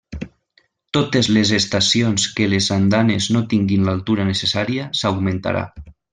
Totes les estacions que les andanes no tinguin l'altura necessària, s'augmentarà.